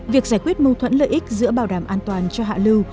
việc giải quyết mâu thuẫn lợi ích giữa bảo đảm an toàn cho hạ lưu